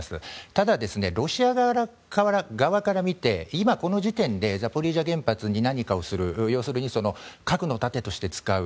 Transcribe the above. ただ、ロシア側から見て今この時点でザポリージャ原発に何かをする要するに核の盾として使う。